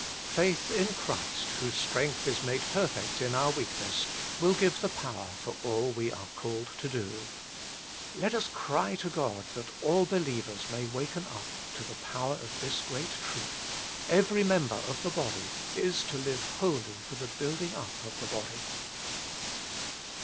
Faith in Christ, whose strength is made perfect in our weakness, will give the power for all we are called to do. Let us cry to God that all believers may waken up to the power of this great truth : Every member of the body is to live wholly for the building up of the body.